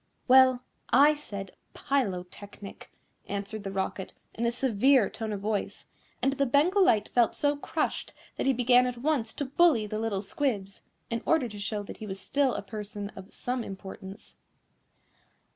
"Well, I said Pylotechnic," answered the Rocket, in a severe tone of voice, and the Bengal Light felt so crushed that he began at once to bully the little squibs, in order to show that he was still a person of some importance.